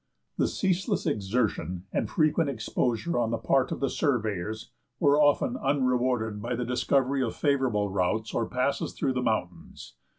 The ceaseless exertion and frequent exposure on the part of the surveyors were often unrewarded by the discovery of favorable routes, or passes through the mountains.